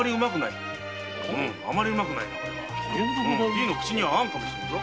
じぃの口には合わぬかもしれんな。